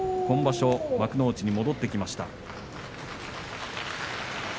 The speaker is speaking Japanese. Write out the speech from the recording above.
今場所、幕内に戻ってきました。